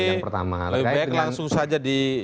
lebih baik langsung saja